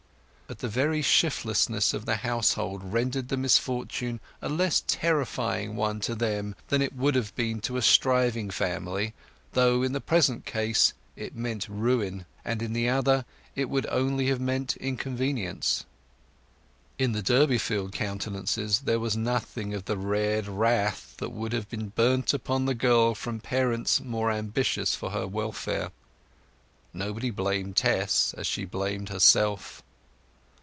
But the very shiftlessness of the household rendered the misfortune a less terrifying one to them than it would have been to a thriving family, though in the present case it meant ruin, and in the other it would only have meant inconvenience. In the Durbeyfield countenances there was nothing of the red wrath that would have burnt upon the girl from parents more ambitious for her welfare. Nobody blamed Tess as she blamed herself.